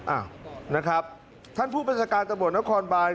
อ้าวนะครับท่านผู้บริษัการณ์ตระบวนและคอนบาร์